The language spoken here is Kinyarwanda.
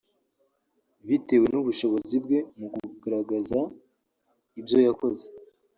bitewe n’ubushobozi bwe mu kugaragaza ibyo yakoze